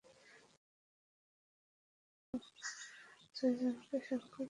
পুলিশের তিন সদস্যসহ ছয়জনের সাক্ষ্য গ্রহণ করেন ট্রাইব্যুনালের বিচারক আবদুর রশীদ।